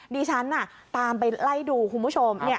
ดิฉันน่ะตามไปไล่ดูคุณผู้ชมเนี่ย